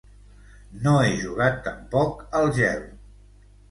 No he jugat tampoc al gel!